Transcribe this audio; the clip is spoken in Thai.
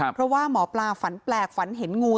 เพราะว่าหมอปลาฝันแปลกฝันเห็นงู